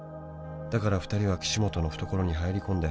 「だから二人は岸本の懐に入り込んで」